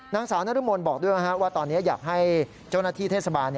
นางสาวนรมนบอกด้วยว่าตอนนี้อยากให้เจ้าหน้าที่เทศบาล